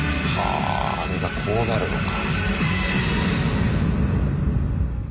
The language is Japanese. ああれがこうなるのか。